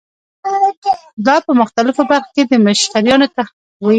دا په مختلفو برخو کې مشتریانو ته خدمت کوي.